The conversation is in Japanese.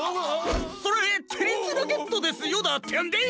それテニスラケットですよだてやんでい！